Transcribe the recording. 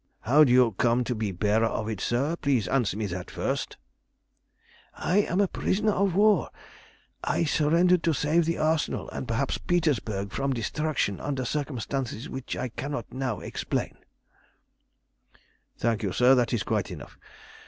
"How do you come to be the bearer of it, sir? Please answer me that first." "I am a prisoner of war. I surrendered to save the Arsenal and perhaps Petersburg from destruction under circumstances which I cannot now explain" "Thank you, sir, that is quite enough!